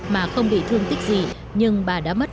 mà không bị thương tích gì nhưng bà đã mất